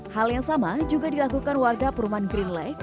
hal yang sama juga dilakukan warga perumahan green lake